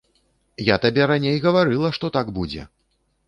Я табе раней гаварыла, што так будзе.